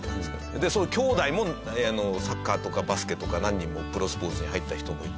でその兄弟もサッカーとかバスケとか何人もプロスポーツに入った人もいて。